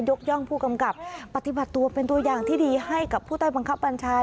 ย่องผู้กำกับปฏิบัติตัวเป็นตัวอย่างที่ดีให้กับผู้ใต้บังคับบัญชา